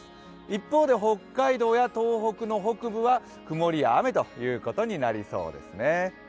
一方で北海道や東北の北部は曇りや雨ということになりそうですね。